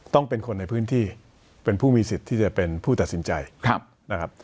ต้องเป็นคนในพื้นที่เป็นผู้มีสิทธิ์ที่จะเป็นผู้ตัดสินใจนะครับ